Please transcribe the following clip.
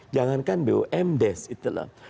jangankan bum des itulah